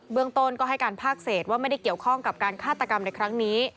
เมืองต้นก็ให้การภาคเศษว่าไม่ได้เกี่ยวข้องกับการฆาตกรรมในครั้งนี้